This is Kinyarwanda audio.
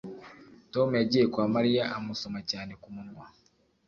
tom yagiye kwa mariya amusoma cyane ku munwa